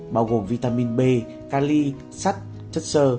bao gồm vitamin b cali sắt chất sơ